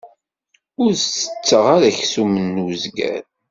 Ur setteɣ ara aksum n uzger.